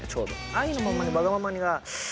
『愛のままにわがままに』は。